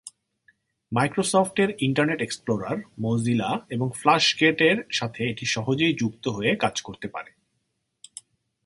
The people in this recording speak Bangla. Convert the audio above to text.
মাইক্রোসফট এর ইন্টারনেট এক্সপ্লোরার, মজিলা এবং ফ্লাশ গেট এর সাথে এটি সহজেই যুক্ত হয়ে কাজ করতে পারে।